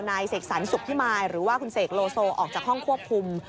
เสกสรรสุขพิมายหรือว่าคุณเสกโลโซออกจากห้องควบคุม